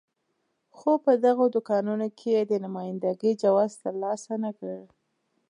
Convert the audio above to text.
خو په دغو دوکانونو کې یې د نماینده ګۍ جواز ترلاسه نه کړ.